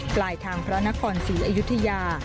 ปลายทางพระนครศรีอยุธยา